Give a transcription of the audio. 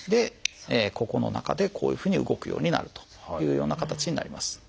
ここの中でこういうふうに動くようになるというような形になります。